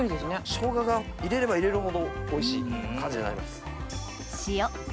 ショウガが入れれば入れるほどおいしい感じになります。